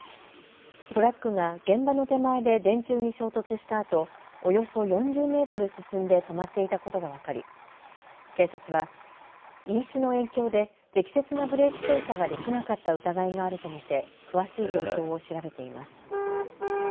トラックが現場の手前で電柱に衝突したあと、およそ４０メートル進んで止まっていたことが分かり警察は飲酒の影響で適切なブレーキ操作ができなかった疑いがあると見て詳しい状況を調べています。